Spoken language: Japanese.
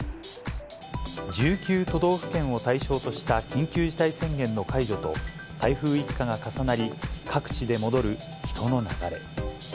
１９都道府県を対象とした緊急事態宣言の解除と、台風一過が重なり、各地で戻る人の流れ。